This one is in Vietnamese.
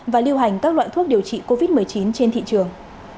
và lưu hành các loại thuốc điều trị covid một mươi chín trên thị trường